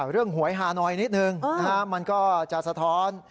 หวยฮานอยนิดนึงมันก็จะสะท้อน